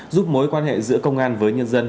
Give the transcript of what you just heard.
giúp mối quan hệ giữa công an với nhân dân